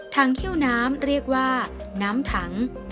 เขี้ยวน้ำเรียกว่าน้ำถัง